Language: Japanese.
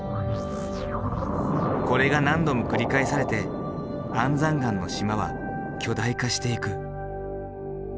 これが何度も繰り返されて安山岩の島は巨大化していく。